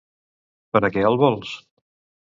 Per a què els vol?